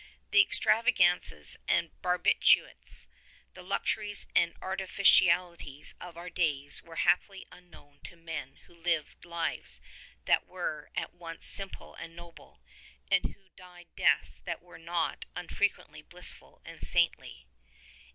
The extravagances and barbarities, the luxuries and artificialities of our days were happily unknown to men who lived lives that were at once simple and noble, and who died deaths that were not unfrequently blissful and saintly.